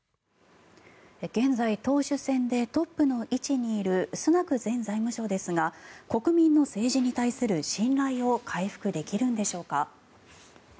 現在、党首選でトップの位置にいるスナク前財務相ですが国民の政治に対する信頼を回復できるんでしょうか。